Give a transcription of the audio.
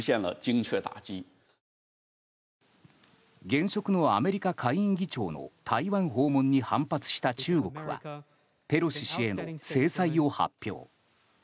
現職のアメリカ下院議長の台湾訪問に反発した中国はペロシ氏への制裁を発表。